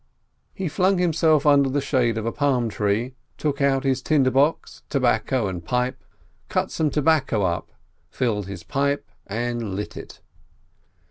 He flung himself under the shade of a palm tree, took out his tinder box, tobacco and pipe, cut some tobacco up, filled his pipe and lit it.